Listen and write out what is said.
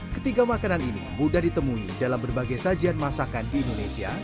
ketiga makanan ini mudah ditemui dalam berbagai sajian masakan di indonesia